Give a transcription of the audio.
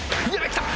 来た！？